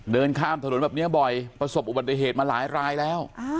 เดินข้ามถนนแบบนี้บ่อยประสบอุบัติเหตุมาหลายรายแล้ว